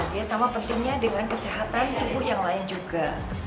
dia sama pentingnya dengan kesehatan tubuh yang lain juga